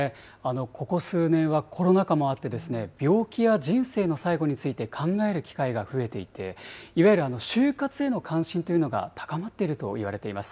ここ数年はコロナ禍もあって、病気や人生の最後について考える機会が増えていて、いわゆる終活への関心というのが高まっているといわれています。